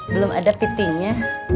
belum ada pitingnya